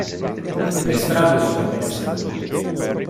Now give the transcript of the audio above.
Le strade sono pessime.